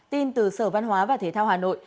tin từ sở văn hóa và thế thao hà nội